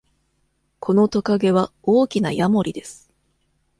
このトカゲは大きなヤモリです。